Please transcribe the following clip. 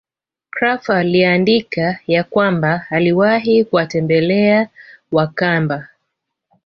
Krapf aliandika ya kwamba aliwahi kuwatembela Wakamba